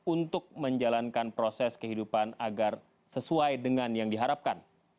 untuk menjalankan proses kehidupan agar sesuai dengan yang diharapkan